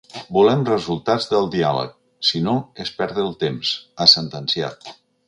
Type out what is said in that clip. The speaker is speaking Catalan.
Volem resultats del diàleg, si no és perdre el temps, ha sentenciat.